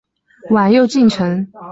晚又进城。